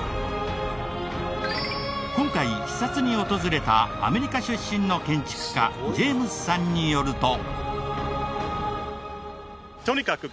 今回視察に訪れたアメリカ出身の建築家ジェームスさんによると。